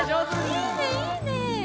いいねいいね！